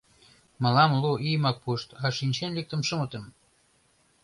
— Мылам лу ийымак пуышт, а шинчен лектым шымытым.